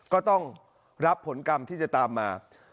ก็ต้องรับผลกรรมที่จะตามมา